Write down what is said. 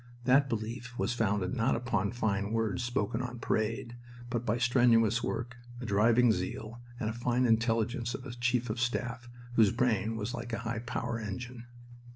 That belief was founded not upon fine words spoken on parade, but by strenuous work, a driving zeal, and the fine intelligence of a chief of staff whose brain was like a high power engine.